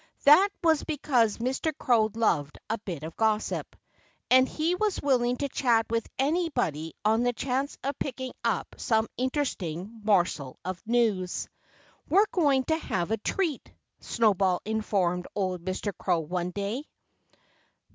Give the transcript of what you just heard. That was because Mr. Crow loved a bit of gossip. And he was willing to chat with anybody on the chance of picking up some interesting morsel of news. "We're going to have a treat," Snowball informed old Mr. Crow one day.